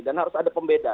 dan harus ada pembeda